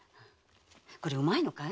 これうまいのかい？